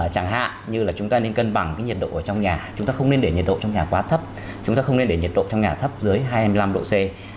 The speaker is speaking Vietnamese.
chẳng hạn như là chúng ta nên cân bằng cái nhiệt độ ở trong nhà chúng ta không nên để nhiệt độ trong nhà quá thấp chúng ta không nên để nhiệt độ trong nhà thấp dưới hai mươi năm độ c